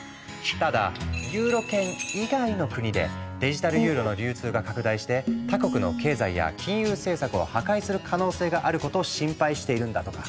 ただユーロ圏以外の国でデジタルユーロの流通が拡大して他国の経済や金融政策を破壊する可能性があることを心配しているんだとか。